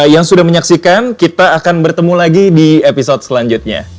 yang sudah menyaksikan kita akan bertemu lagi di episode selanjutnya